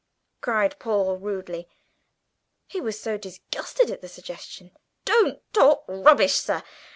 cried Paul rudely (he was so disgusted at the suggestion); "don't talk rubbish, sir!